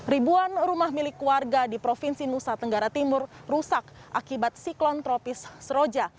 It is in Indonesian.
ribuan rumah milik warga di provinsi nusa tenggara timur rusak akibat siklon tropis seroja